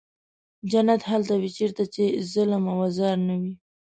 جنت هلته وي چېرته چې ظلم او آزار نه وي.